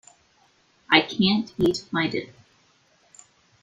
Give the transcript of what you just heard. I can’t eat my dinner.